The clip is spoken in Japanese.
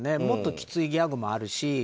もっときついギャグもあるし。